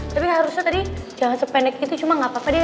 tapi harusnya tadi jangan sependek itu cuma nggak apa apa deh